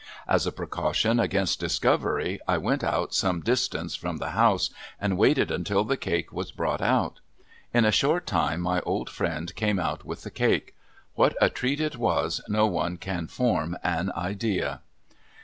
As a precaution against discovery I went out some distance from the house and waited until the cake was brought out. In a short time my old friend came out with the cake. What a treat it was no one can form an idea.